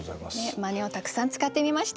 「まね」をたくさん使ってみました。